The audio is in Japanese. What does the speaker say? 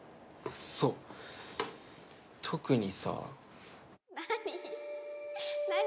そう特にさ何？